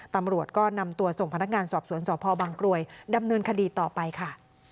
ตำรวจก็นำตัวส่งพนักงานสอบสวนสพบังกรวยดำเนินคดีต่อไปค่ะ